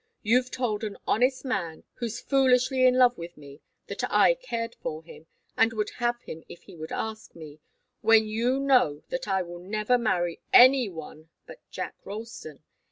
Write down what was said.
You've told an honest man who's foolishly in love with me that I cared for him, and would have him if he would ask me, when you know that I will never marry any one but Jack Ralston.